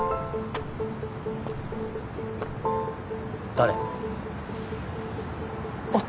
誰？